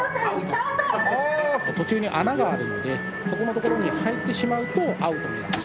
途中に穴があるのでそこの所に入ってしまうとアウトになってしまう。